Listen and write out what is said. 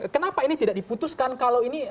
kenapa ini tidak diputuskan kalau ini